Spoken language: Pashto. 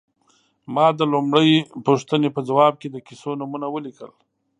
ما د لومړۍ پوښتنې په ځواب کې د کیسو نومونه ولیکل.